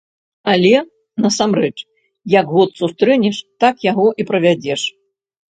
Але, насамрэч, як год сустрэнеш, так яго і правядзеш.